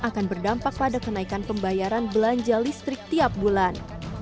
akan berdampak pada kenaikan pembayaran belanja listrik tiap bulan